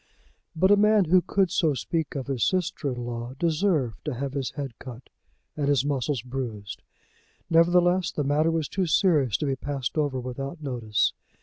But a man who could so speak of his sister in law deserved to have his head cut and his muscles bruised. Nevertheless the matter was too serious to be passed over without notice.